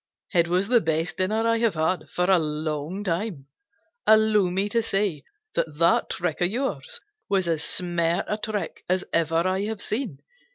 "It was the best dinner I have had for a long time. Allow me to say that that trick of yours was as smart a trick as ever I have seen.